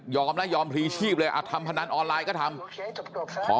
ยอมนะยอมพลีชีพเลยอ่ะทำพนันออนไลน์ก็ทำโอเคจบกรบค่ะ